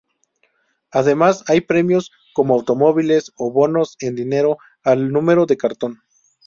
Además hay premios como automóviles o bonos en dinero al número de cartón.